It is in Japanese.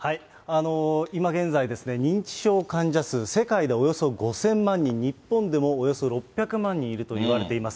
今現在、認知症患者数、世界でおよそ５０００万人、日本でもおよそ６００万人いると言われています。